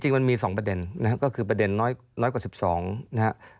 จริงมันมี๒ประเด็นก็คือประเด็นน้อยกว่า๑๒